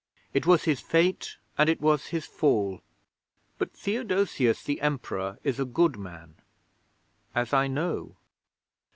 It was his fate, and it was his fall. But Theodosius the Emperor is a good man. As I know.'